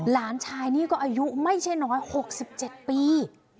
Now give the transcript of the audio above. หลานชายนี่ก็อายุไม่ใช่น้อย๖๗ปี